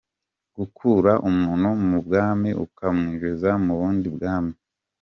Gukura umuntu mu bwami ukamwinjiza mu bundi bwami.